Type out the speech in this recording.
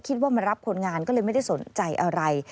คิดว่ามารับคนงานก็เลยไม่ได้สนใจอะไร